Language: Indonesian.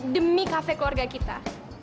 demi kafe keluarga kita